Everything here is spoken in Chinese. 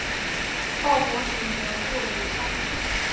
鲍博什德布雷泰。